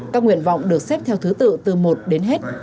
các nguyện vọng được xếp theo thứ tự từ một đến hết